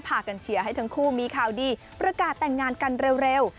พากันเชียร์ให้ทั้งคู่มีข่าวดีประกาศแต่งงานกันเร็ว